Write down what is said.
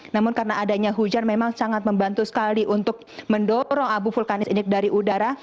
namun karena adanya hujan memang sangat membantu sekali untuk mendorong abu vulkanis ini dari udara